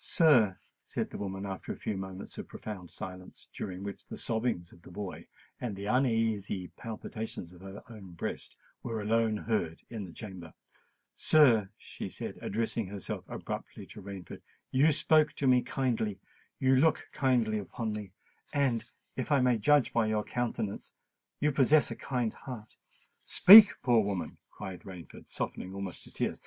"Sir," said the woman, after a few moments of profound silence, during which the sobbings of the boy and the uneasy palpitations of her own breast were alone heard in the chamber,—"sir," she said, addressing herself abruptly to Rainford, "you spoke to me kindly—you look kindly upon me,—and, if I may judge by your countenance, you possess a kind heart——" "Speak, poor woman!" cried Rain, softened almost to tears.